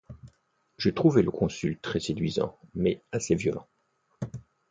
Je trouvais le Consul très séduisant, mais assez violent.